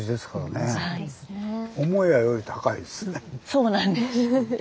そうなんです。